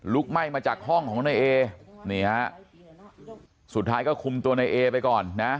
ไหม้มาจากห้องของนายเอนี่ฮะสุดท้ายก็คุมตัวในเอไปก่อนนะ